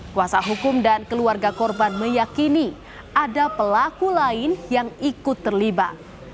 kuasa hukum dan keluarga korban meyakini ada pelaku lain yang ikut terlibat